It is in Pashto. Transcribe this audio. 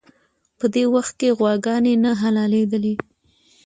په دې وخت کې غواګانې نه حلالېدلې.